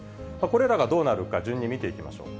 これらがどうなるか、順に見ていきましょう。